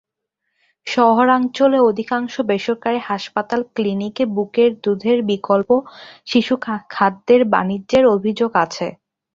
শহরাঞ্চলে অধিকাংশ বেসরকারি হাসপাতাল ক্লিনিকে বুকের দুধের বিকল্প শিশুখাদ্যের বাণিজ্যের অভিযোগ আছে।